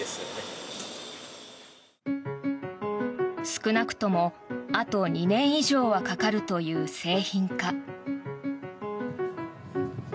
少なくともあと２年以上はかかるという製品化。